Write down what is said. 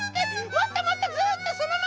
もっともっとずっとそのまま！